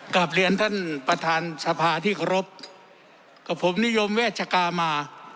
กลับเรียนท่านประธานสภาที่เคารพกับผมนิยมเวชกามา